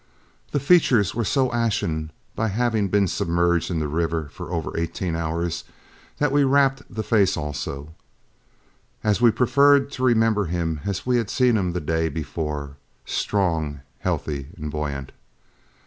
The features were so ashened by having been submerged in the river for over eighteen hours, that we wrapped the face also, as we preferred to remember him as we had seen him the day before, strong, healthy, and buoyant.